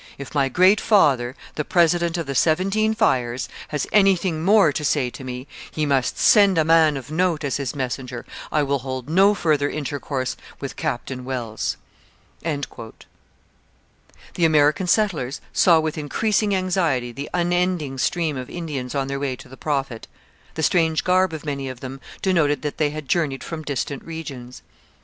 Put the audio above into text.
If my great father, the President of the Seventeen Fires, has anything more to say to me, he must send a man of note as his messenger; I will hold no further intercourse with Captain Wells. The American settlers saw with increasing anxiety the unending stream of Indians on their way to the Prophet. The strange garb of many of them denoted that they had journeyed from distant regions.